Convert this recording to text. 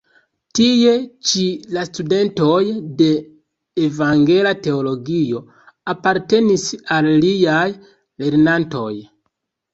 Tie ĉi la studentoj de evangela teologio apartenis al liaj lernantoj.